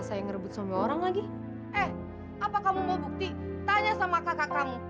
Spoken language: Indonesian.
saya ngerebut sama orang lagi eh apa kamu mau bukti tanya sama kakak kamu